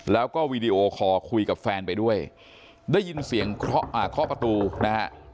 แล้วก็วีดีโอคอร์คุยกับแฟนไปด้วยได้ยินเสียงเคาะประตูนะฮะ